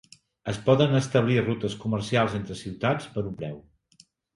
Es poden establir rutes comercials entre ciutats per un preu.